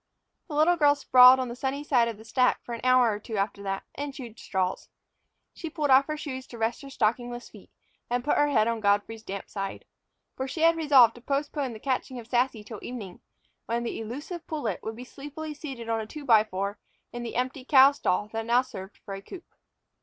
The little girl sprawled on the sunny side of a stack for an hour or two after that, and chewed straws. She pulled off her shoes to rest her stockingless feet, and put her head on Godfrey's damp side. For she had resolved to postpone the catching of Sassy till evening, when the elusive pullet would be sleepily seated on a two by four in the empty cow stall that now served for a coop.